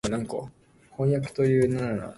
飜訳という仕事は畢竟するに、